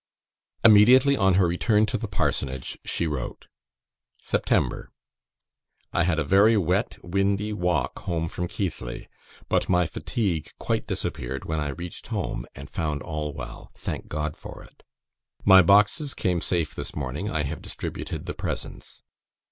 Immediately on her return to the Parsonage, she wrote: "September. "I had a very wet, windy walk home from Keighley; but my fatigue quite disappeared when I reached home, and found all well. Thank God for it. "My boxes came safe this morning. I have distributed the presents.